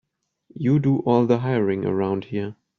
You do all the hiring around here.